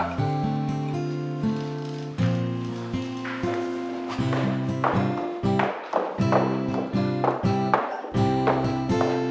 yang ini dimana